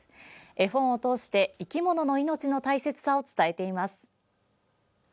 絵本を通して、生き物の命の大切さを伝えています。